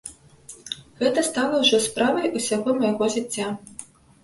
Гэта стала ўжо справай усяго майго жыцця.